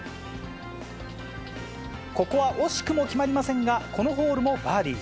ここは惜しくも決まりませんが、このホールもバーディー。